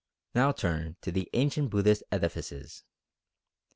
Now turn to the ancient Buddhist edifices.